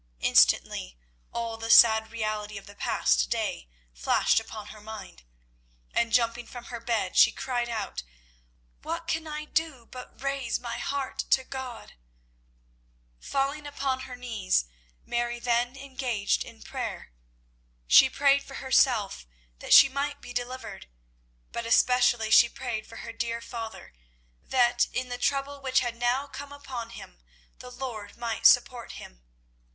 Instantly all the sad reality of the past day flashed upon her mind, and, jumping from her bed, she cried out, "What can I do but raise my heart to God?" Falling upon her knees, Mary then engaged in prayer. She prayed for herself, that she might be delivered, but especially she prayed for her dear father, that in the trouble which had now come upon him the Lord might support him.